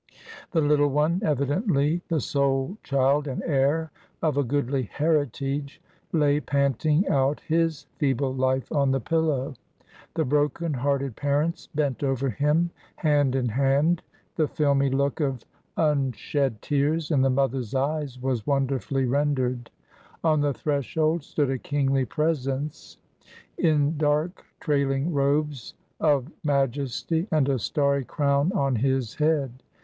The little one, evidently the sole child and heir of a goodly heritage, lay panting out his feeble life on the pillow. The broken hearted parents bent over him hand in hand. The filmy look of unshed tears in the mother's eyes was wonderfully rendered. On the threshold stood a kingly presence, in dark trailing robes of majesty and a starry crown on his head.